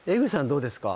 どうですか？